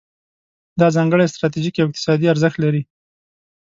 دا ځانګړی ستراتیژیکي او اقتصادي ارزښت لري.